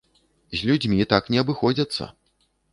З людзьмі так не абыходзяцца!